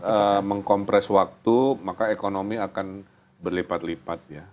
karena mengkompres waktu maka ekonomi akan berlipat lipat ya